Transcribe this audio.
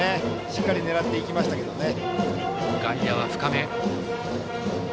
しっかり狙いましたけどね。